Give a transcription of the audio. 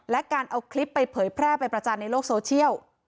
และการเอาคลิปไปเผยแพร่ไปประจานในโลกโซเชียล